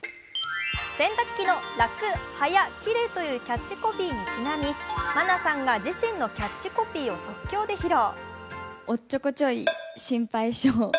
洗濯機の「らくはやきれい」というキャッチコピーにちなみ愛菜さんが自身のキャッチコピーを即興で披露